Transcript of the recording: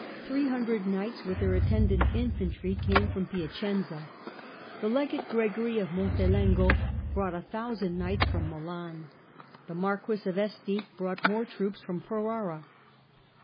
Three hundred knights, with their attendant infantry, came from Piacenza. The Legate Gregory of Montelengo brought a thousand knights from Milan. The Marquess of Este brought more troops from Ferrara.